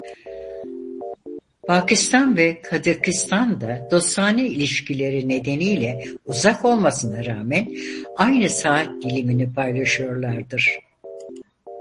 Pakistan ve Kazakistan da dostane ilişkileri nedeniyle uzak olmasına rağmen aynı saat dilimini paylaşıyorlardır.